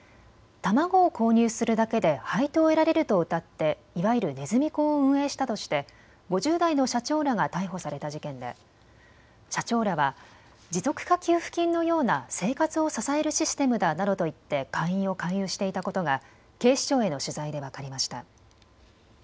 卵を購入するだけで配当を得られるとうたっていわゆるネズミ講を運営したとして５０代の社長らが逮捕された事件で社長らは持続化給付金のような生活を支えるシステムだなどと言って会員を勧誘していたことが警視庁への取材で分かりました。